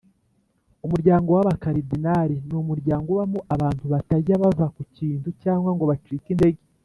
Umuryango waba cardinal numuryango ubamo abantu batajya bava kukintu cyangwa ngo bacike intege